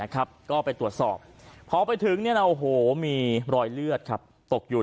ก็ไปตรวจสอบพอไปถึงมีรอยเลือดตกอยู่